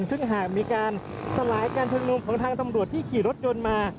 ซึ่งหากมีการสลายการชุมนุมของทางตำรวจที่ขี่รถยนต์มา